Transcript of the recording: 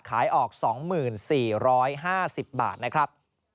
ขายออก๒๔๕๐บาทนะครับ